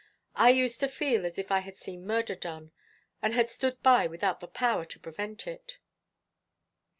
I used to feel as if I had seen murder done, and had stood by without the power to prevent it."